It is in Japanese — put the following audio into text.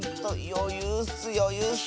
よゆうッスよゆうッス！